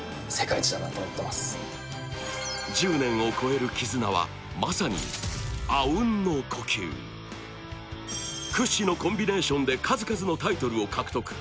１０年を超える絆はまさに屈指のコンビネーションで数々のタイトルを獲得